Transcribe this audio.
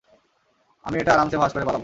আমি এটা আরামসে ভাঁজ করে পালাবো।